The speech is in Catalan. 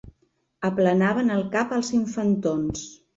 Aplanaven el cap als infantons.